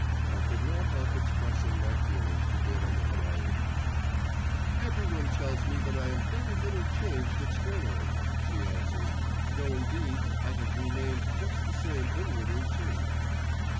I could not help expressing my feelings to Vera Nikolaevna. 'Every one tells me that I am very little changed externally,' she answered, 'though indeed I have remained just the same inwardly too.